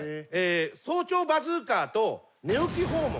早朝バズーカと寝起き訪問。